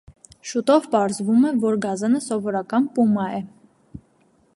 Շուտով պարզվում է, որ գազանը սովորական պումա է։